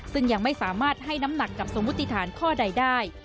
ซึ่งยังไม่สามารถให้น้ำหนักกับสมมุติฐานข้อใดได้